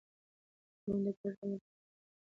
قانون د ګډ ژوند لپاره بنسټیز اصول ټاکي.